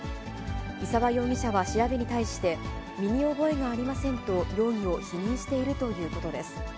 伊沢容疑者は調べに対して、身に覚えがありませんと容疑を否認しているということです。